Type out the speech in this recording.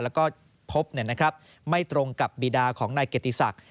แล้วก็พบไม่ตรงกับบีดาของนายเกียรติศักดิ์